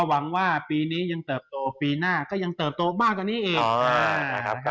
หวังว่าปีนี้ยังเติบโตปีหน้าก็ยังเติบโตมากกว่านี้อีก